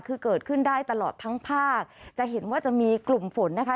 คือเกิดขึ้นได้ตลอดทั้งภาคจะเห็นว่าจะมีกลุ่มฝนนะคะ